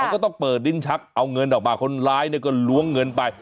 ก็ต้องเปิดลิ้นชักเอาเงินออกมาคนร้ายเนี่ยก็ล้วงเงินไป